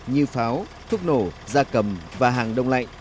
như pháo thuốc nổ da cầm và hàng đông lạnh